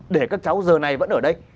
để các cháu giờ này vẫn ở đây